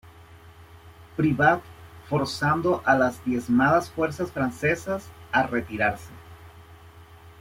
Privat, forzando a las diezmadas fuerzas francesas a retirarse.